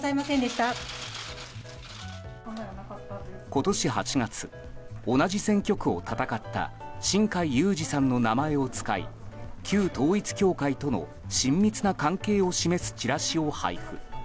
今年８月、同じ選挙区を戦った新開裕司さんの名前を使い旧統一教会との親密な関係を示すチラシを配布。